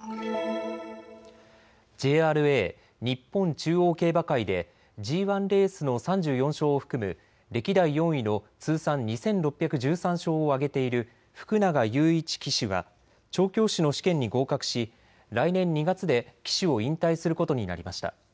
ＪＲＡ・日本中央競馬会でＧＩレースの３４勝を含む歴代４位の通算２６１３勝を挙げている福永祐一騎手は調教師の試験に合格し来年２月で騎手を引退することになりました。